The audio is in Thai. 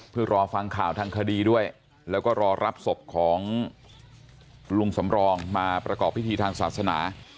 เพื่อรอฟังข่าวทางคดีด้วยแล้วก็รอรับศพของลุงสำรองมาประกอบพิธีทางศาสนา